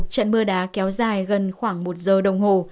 trận mưa đá kéo dài gần khoảng một giờ đồng hồ